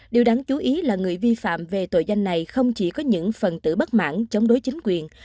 điều đáng chú ý là người vi phạm về tội danh này không chỉ có những phần tử bất mãn chống đối chính quyền